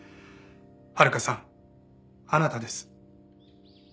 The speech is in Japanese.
温香さんあなたです。